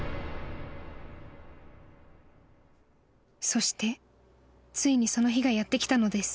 ［そしてついにその日がやってきたのです］